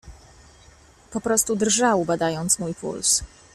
Po prostu drżał, badając mój puls.